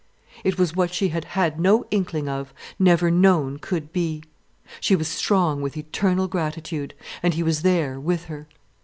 It was what she had had no inkling of, never known could be. She was strong with eternal gratitude. And he was there with her.